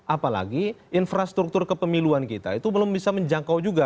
apalagi infrastruktur kepemiluan kita itu belum bisa menjangkau juga